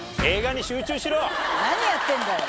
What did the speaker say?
何やってんだよ。